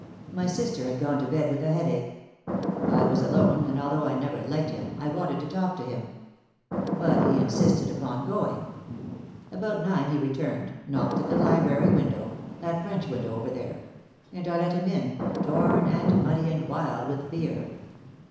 My sister had gone to bed with a headache. I was alone, and, although I never liked him, I wanted to talk to him. But he insisted upon going. About nine he returned, knocked at the library window that French window over there and I let him in, torn and muddy and wild with fear!